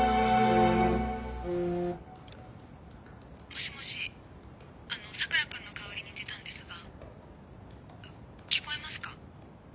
もしもしあの佐倉君の代わりに出たんですが聞こえますか？